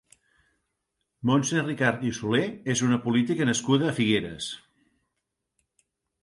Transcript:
Montse Ricart i Solé és una política nascuda a Figueres.